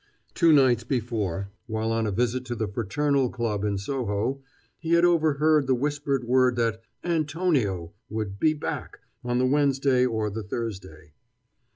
Two nights before, while on a visit to the Fraternal Club in Soho, he had overheard the whispered word that "Antonio" would "be back" on the Wednesday or the Thursday.